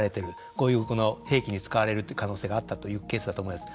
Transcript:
こういう兵器に使われるという可能性があったというケースだと思います。